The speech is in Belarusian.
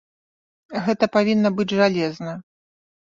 Гэта павінна быць жалезна.